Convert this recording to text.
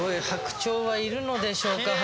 白鳥はいるのでしょうか。